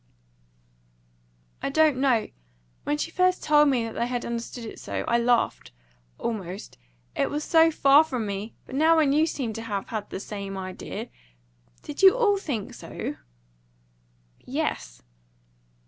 "I don't know. When she first told me that they had understood it so, I laughed almost it was so far from me. But now when you seem to have had the same idea Did you all think so?" "Yes."